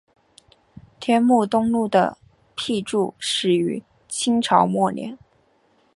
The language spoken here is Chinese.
天目东路的辟筑始于清朝末年。